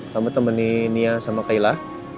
kamu temeni nia sama kayla